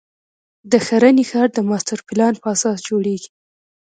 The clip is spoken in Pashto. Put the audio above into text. د ښرنې ښار د ماسټر پلان په اساس جوړېږي.